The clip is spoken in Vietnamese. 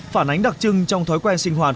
phản ánh đặc trưng trong thói quen sinh hoạt